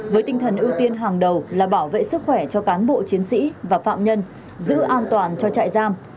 với tinh thần ưu tiên hàng đầu là bảo vệ sức khỏe cho cán bộ chiến sĩ và phạm nhân giữ an toàn cho trại giam